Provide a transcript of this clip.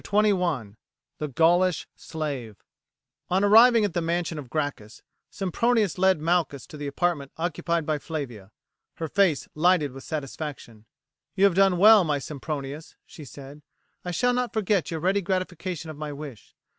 CHAPTER XXI: THE GAULISH SLAVE On arriving at the mansion of Gracchus, Sempronius led Malchus to the apartment occupied by Flavia. Her face lighted with satisfaction. "You have done well, my Sempronius," she said; "I shall not forget your ready gratification of my wish.